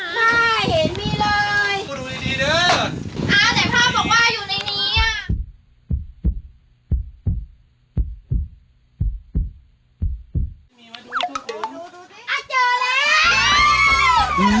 เห็นมีเลย